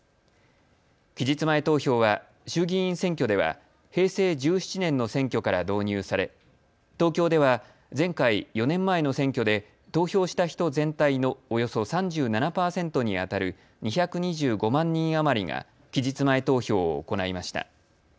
期日前投票は衆議院選挙では平成１７年の選挙から導入され東京では前回４年前の選挙で投票した人全体のおよそ３７％にあたる２２５万人余りが期日前投票を行いました。